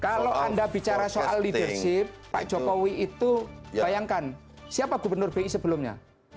kalau anda bicara soal leadership pak jokowi itu bayangkan siapa gubernur bi sebelumnya